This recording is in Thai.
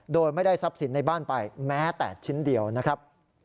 โดยไม่ได้ทรัพย์สินในบ้านไปแม้แต่ชิ้นเดียวนะครับ